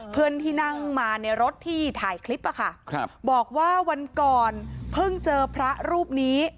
เพื่อนที่นั่งมาในรถที่ถ่ายคลิปอะค่ะครับบอกว่าวันก่อนเพิ่งเจอพระรูปนี้